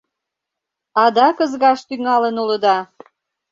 Адак ызгаш тӱҥалын улыда!